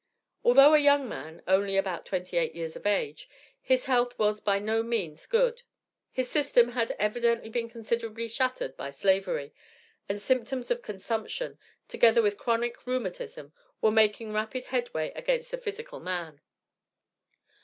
Although a young man only about twenty eight years of age, his health was by no means good. His system had evidently been considerably shattered by Slavery, and symptoms of consumption, together with chronic rheumatism, were making rapid headway against the physical man.